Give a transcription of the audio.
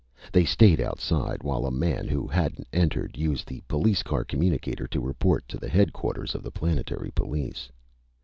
They stayed outside, while a man who hadn't entered used the police car communicator to report to the headquarters of the planetary police.